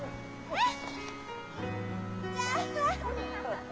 えっ。